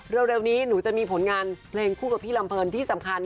เร็วนี้หนูจะมีผลงานเพลงคู่กับพี่ลำเพลินที่สำคัญ